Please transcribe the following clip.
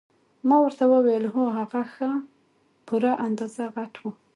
ما ورته وویل هو هغه ښه په پوره اندازه غټ وو.